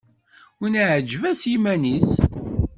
Winna iεǧeb-as yiman-is!